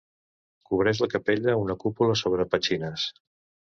Cobreix la capella una cúpula sobre petxines.